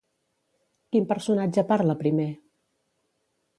Quin personatge parla primer?